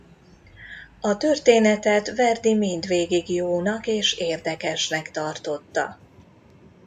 A történetet Verdi mindvégig jónak és érdekesnek tartotta.